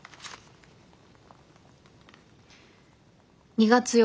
「２月４日」。